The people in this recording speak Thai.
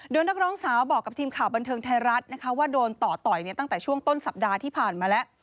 โดยนักร้องสาวบอกกับทีมข่าวบันเทิงไทยรัฐนะคะว่าโดนต่อต่อยตั้งแต่ช่วงต้นสัปดาห์ที่ผ่านมาแล้ว